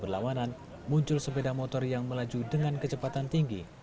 berlawanan muncul sepeda motor yang melaju dengan kecepatan tinggi